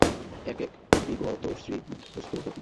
এ এক বিগতশ্রী বিধ্বস্ত জাতি।